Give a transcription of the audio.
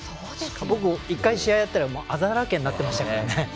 僕、１回試合やったらあざだらけになってましたからね。